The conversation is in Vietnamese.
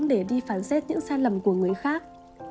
để đi phán xét những sai lầm của người khác